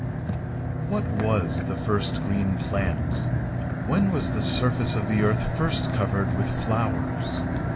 What was the first green plant? When was the surface of the earth first covered with flowers?